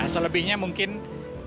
selebihnya mungkin bijak